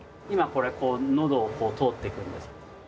今これのどを通っていくんです。